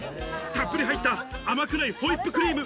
たっぷり入った甘くないホイップクリーム。